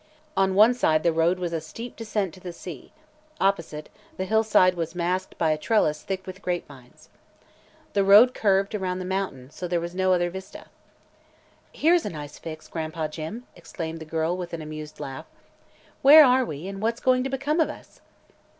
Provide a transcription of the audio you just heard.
On one side the road was a steep descent to the sea; opposite, the hillside was masked by a trellis thick with grapevines. The road curved around the mountain, so there was no other vista. "Here's a nice fix, Gran'pa Jim!" exclaimed the girl, with an amused laugh. "Where are we and what's going to become of us?"